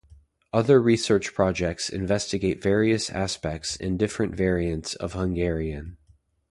Other research projects investigate various aspects and different variants of Hungarian.